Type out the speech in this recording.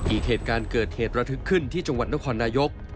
อีกเหตุการณ์เกิดเหตุระทึกขึ้นที่จังหวัดนครนายก